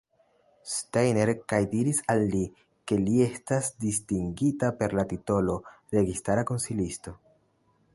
Steiner kaj diris al li, ke li estas distingita per la titolo "registara konsilisto".